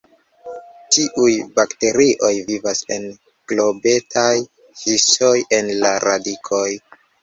Tiuj bakterioj vivas en globetaj histoj en la radikoj.